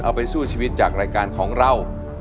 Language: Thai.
เอาไปสู้ชีวิตจากรายการของเรา